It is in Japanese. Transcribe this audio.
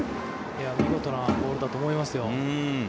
見事なボールだと思いますよ。